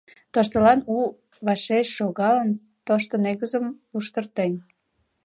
Тоштылан у вашеш шогалын, тошто негызым луштыртен.